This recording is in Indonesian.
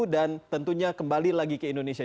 dan tentunya kembali lagi ke indonesia